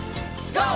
ＧＯ！